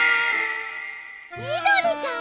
みどりちゃん